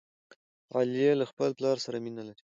عالیه له خپل پلار سره مینه لري.